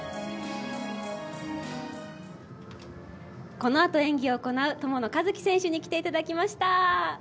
このあと演技を行う友野一希選手に来ていただきました。